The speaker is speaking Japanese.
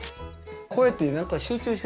こうやって何か集中してる